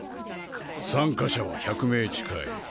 参加者は１００名近い。